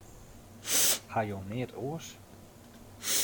Ha jo neat oars?